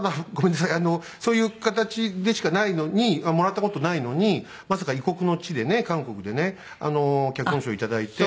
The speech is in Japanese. そういう形でしかないのにもらった事ないのにまさか異国の地でね韓国でね脚本賞をいただいて。